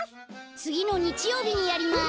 つぎのにちようびにやります。